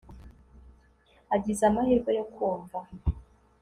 agize amahirwe yo kumva